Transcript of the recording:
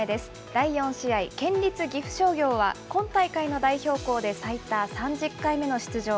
第４試合、県立岐阜商業は、今大会の代表校で最多３０回目の出場。